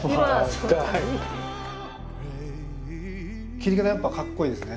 切り方やっぱかっこいいですね。